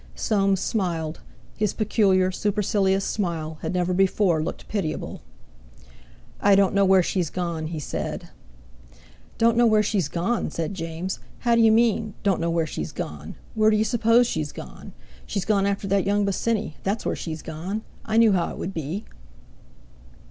Soames smiled; his peculiar, supercilious smile had never before looked pitiable. "I don't know where she's gone," he said. "Don't know where she's gone!" said James. "How d'you mean, don't know where she's gone? Where d'you suppose she's gone? She's gone after that young Bosinney, that's where she's gone. I knew how it would be."